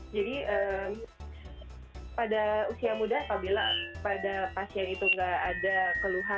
jadi pada usia muda apabila pada pasien itu gak ada keluhan